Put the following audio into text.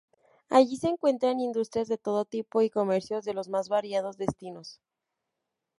Allí, se encuentran industrias de todo tipo, y comercios de los más variados destinos.